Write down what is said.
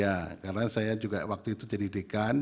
ya karena saya juga waktu itu jadi dekan